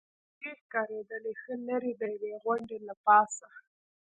سپېرې ښکارېدلې، ښه لرې، د یوې غونډۍ له پاسه.